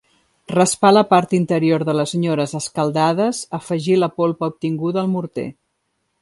Raspar la part interior de les nyores escaldades afegir la polpa obtinguda al morter.